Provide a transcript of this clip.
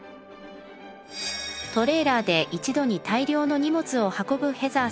トレーラーで一度に大量の荷物を運ぶヘザーさん。